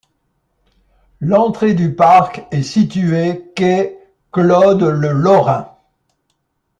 L'entrée du parc est située quai Claude-le-Lorrain.